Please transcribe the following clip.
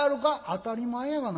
「当たり前やがな。